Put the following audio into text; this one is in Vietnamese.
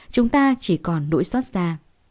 chúng ta chỉ còn nỗi xót xa